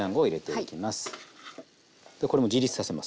でこれも自立させます。